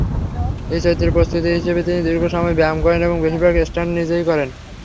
এই চরিত্রের প্রস্তুতি হিসেবে তিনি দীর্ঘসময় ব্যায়াম করেন এবং বেশিরভাগ স্টান্ট নিজেই করেন।